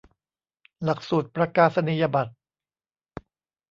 หลักสูตรประกาศนียบัตร